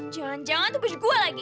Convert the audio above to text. jangan jangan tuh baju gue lagi